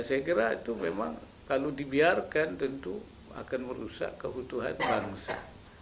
saya kira itu memang kalau dibiarkan tentu akan merusak keutuhan bangsa